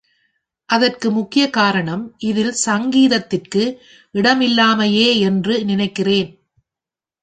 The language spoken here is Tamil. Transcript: அதற்கு முக்கியக் காரணம் இதில் சங்கீதத்திற்கு இடமில்லாமையேயென்று நினைக்கிறேன்.